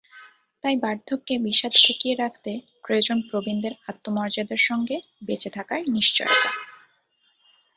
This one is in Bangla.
তাই বার্ধক্যে বিষাদ ঠেকিয়ে রাখতে প্রয়োজন প্রবীণদের আত্মমর্যাদার সঙ্গে বেঁচে থাকার নিশ্চয়তা।